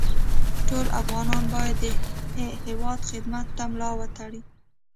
ټول افغانان باید د هېواد خدمت ته ملا وتړي